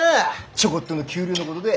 ちょこっとの給料のことで。